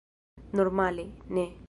Normale, ne.